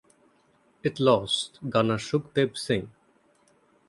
It lost Gunner Sukhdev Singh.